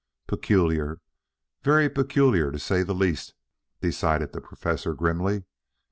"Peculiar, very peculiar to say the least," decided the Professor grimly.